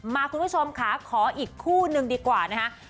คุณผู้ชมค่ะขออีกคู่นึงดีกว่านะคะ